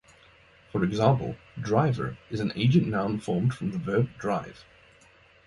For example, "driver" is an agent noun formed from the verb "drive".